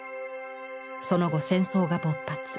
その後戦争が勃発。